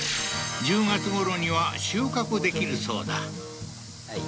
１０月頃には収穫できるそうだ